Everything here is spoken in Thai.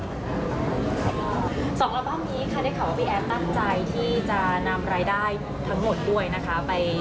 สองอัลสองอัลบั้มนี้ค่ะได้ข่าวว่าพี่แอฟตั้งใจที่จะนำรายได้ทั้งหมดด้วยนะคะ